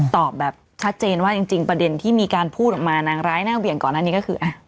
ตอบแบบชัดเจนว่าจริงประเด็นที่มีการพูดออกมานางร้ายหน้าเหวี่ยงก่อนอันนี้ก็คือ